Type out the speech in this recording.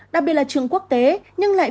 đặc biệt là trường quốc tế nhưng lại